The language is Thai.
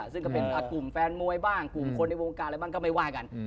ซึ่งก็เป็นกลุ่มแฟนมวยบ้างกลุ่มคนในวงการอะไรบ้างก็ไม่ว่ากัน